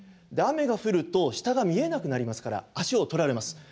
で雨が降ると下が見えなくなりますから足をとられます。